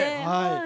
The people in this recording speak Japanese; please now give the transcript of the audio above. はい。